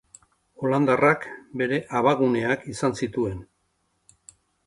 Holandarrak bere abaguneak izan zituen.